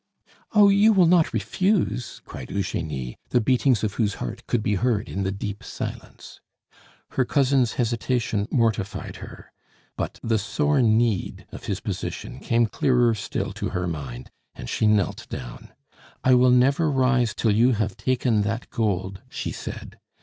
"Oh! you will not refuse?" cried Eugenie, the beatings of whose heart could be heard in the deep silence. Her cousin's hesitation mortified her; but the sore need of his position came clearer still to her mind, and she knelt down. "I will never rise till you have taken that gold!" she said.